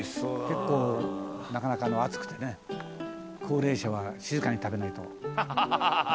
「結構なかなか熱くてね高齢者は静かに食べないと」「ハハハハ！」